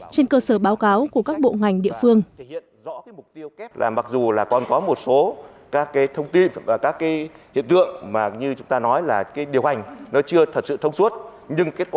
trên cơ sở báo cáo của các bộ ngành địa phương